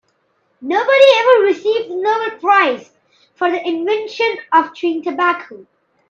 Nobody ever received the Nobel prize for the invention of chewing tobacco.